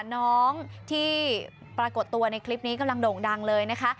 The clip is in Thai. น้องที่ปรากฏตัวในคลิปนี้กำลังโด่งดังเลยนะคะ